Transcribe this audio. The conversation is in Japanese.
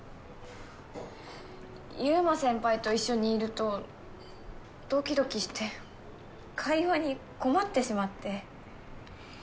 優馬先輩と一緒にいるとドキドキして会話に困ってしまって。